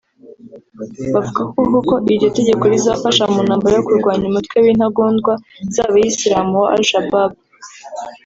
bavuga ko ko iryo tegeko rizafasha mu ntambara yo kurwanya umutwe w’intagondwa z’abayisilamu wa Al-Shabab